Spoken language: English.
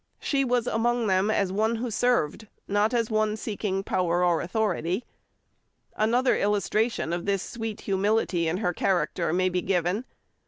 She was among them as one who served, not as one seeking power and authority. Another illustration of this sweet humility in her character may be given.